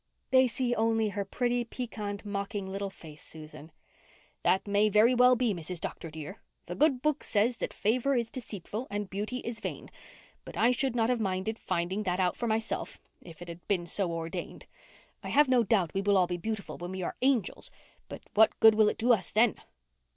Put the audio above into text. "They see only her pretty, piquant, mocking, little face, Susan." "That may very well be, Mrs. Dr. dear. The Good Book says that favour is deceitful and beauty is vain, but I should not have minded finding that out for myself, if it had been so ordained. I have no doubt we will all be beautiful when we are angels, but what good will it do us then?